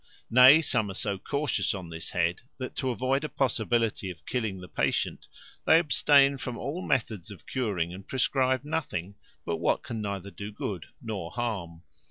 Nay, some are so cautious on this head, that, to avoid a possibility of killing the patient, they abstain from all methods of curing, and prescribe nothing but what can neither do good nor harm.